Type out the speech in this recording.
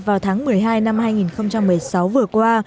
vào tháng một mươi hai năm hai nghìn một mươi sáu vừa qua